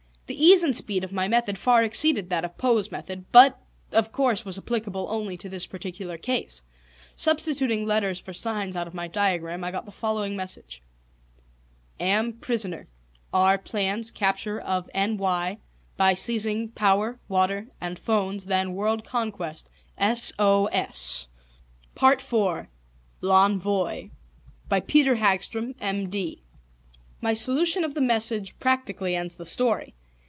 The ease and speed of my method far exceeded that of Poe's method, but, of course, was applicable only to this particular case. Substituting letters for signs out of my diagram, I got the following message: AM PRISONER R PLANS CAPTURE OF N Y BY SEIZING POWER WATER AND PHONES THEN WORLD CONQUEST S O S [Illustration: Plate IV] PART IV L'Envoi (By Peter Hagstrom, M.D.) My solution of the message practically ends the story.